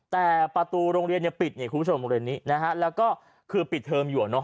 แต่ประตูโรงเรียนปิดคุณผู้ชมโรงเรั้ยแล้วก็คือปิดเทอร์มอยู่